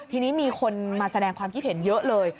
ทีนี้มีคนมาแสดงความคิดเห็นเยอะเลย